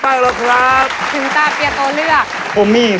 หรือว่าครูขอโทษนะครับน้องเฮง